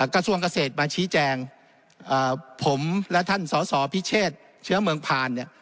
กระทรวงเกษตรมาชี้แจงผมและท่านสอสอพิเชษเชื้อเมืองผ่านเนี่ย